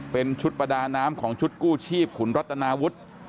เป็นชุดประดาน้ำของชุดกู้ชีพขุนรัตนาวุฒิ